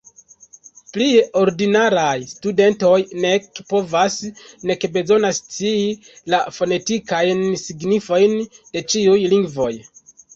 Plie, ordinaraj studentoj nek povas, nek bezonas scii la fonetikajn signojn de ĉiuj lingvoj.